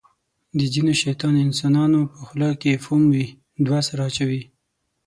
د ځینو شیطان انسانانو په خوله کې فوم وي. دوه سره اچوي.